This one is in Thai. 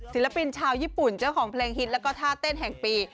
ศิลปินชาวญี่ปุ่นเจ้าของเพลงฮิตแล้วก็ท่าเต้นแห่งปี